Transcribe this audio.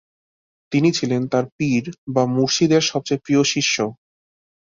তিনি ছিলেন তার পীর বা মূর্শিদের সবচেয়ে প্রিয় শিষ্য।